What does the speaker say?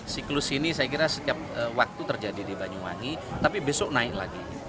siklus ini saya kira setiap waktu terjadi di banyuwangi tapi besok naik lagi